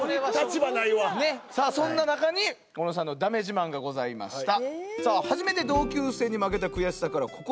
さあそんな中に小野さんのだめ自慢がございました。